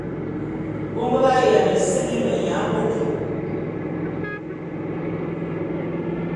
Bongo ba’ayiana seme beyaboto.